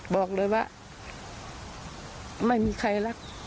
บอกเลยว่าไม่มีใครรัก